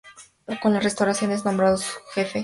Con la restauración es nombrado Jefe Superior de Palacio.